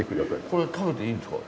これ食べていいんですか？